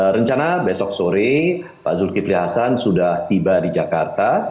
rencana besok sore pak zulkifli hasan sudah tiba di jakarta